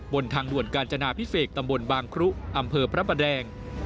บนทางด่วนกาญจนาพิเศษตำบลบางครุอำเภอพระประแดง